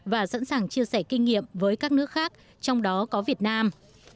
và sẵn sàng chia sẻ kinh nghiệm với các nước khác trong đó có việt nam